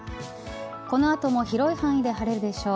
この後も広い範囲で晴れるでしょう。